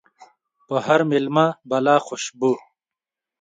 په هر ميلمه بلا خوشبو